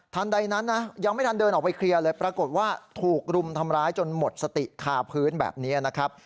ใดนั้นนะยังไม่ทันเดินออกไปเคลียร์เลยปรากฏว่าถูกรุมทำร้ายจนหมดสติคาพื้นแบบนี้นะครับ